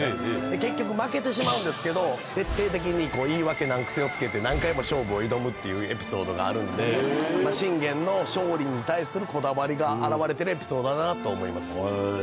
結局負けてしまうんですけど徹底的に。をつけて何回も勝負を挑むっていうエピソードがあるんで信玄の勝利に対するこだわりが表れてるエピソードだなと思います。